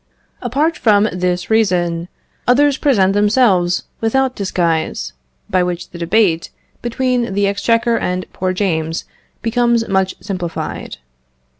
Apart from this reason, others present themselves without disguise, by which the debate between the exchequer and poor James becomes much simplified.